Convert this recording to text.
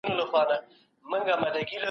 سالم خوراک بدن ته ځواک ورکوي.